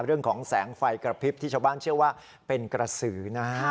เรื่องของแสงไฟกระพริบที่ชาวบ้านเชื่อว่าเป็นกระสือนะฮะ